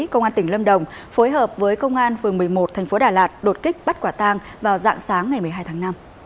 công an tỉnh lâm đồng phối hợp với công an phường một mươi một thành phố đà lạt đột kích bắt quả tang vào dạng sáng ngày một mươi hai tháng năm